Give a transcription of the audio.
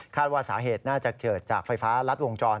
ว่าสาเหตุน่าจะเกิดจากไฟฟ้ารัดวงจร